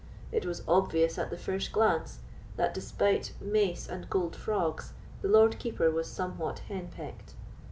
It was obvious at the first glance that, despite mace and gold frogs, the Lord Keeper was somewhat henpecked.